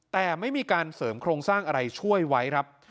แต่ไม่มีการเสริมโครงสร้างอะไรช่วยไว้ครับ